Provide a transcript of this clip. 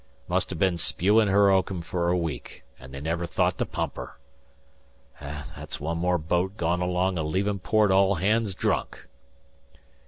Must ha' been spewin' her oakum fer a week, an' they never thought to pump her. That's one more boat gone along o' leavin' port all hands drunk."